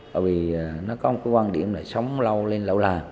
bởi vì nó có một cái quan điểm là sống lâu lên lâu là